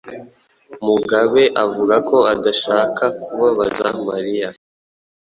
Mugabe avuga ko adashaka kubabaza Mariya.